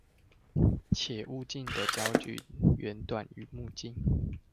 且物鏡的焦距遠短於目鏡